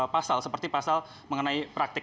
pasal seperti pasal mengenai praktik